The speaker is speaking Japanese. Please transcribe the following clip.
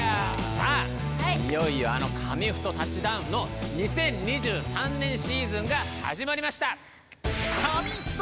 さあいよいよあの「紙フトタッチダウン」の２０２３年シーズンがはじまりました！